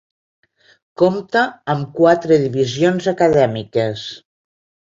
Compta amb quatre divisions acadèmiques: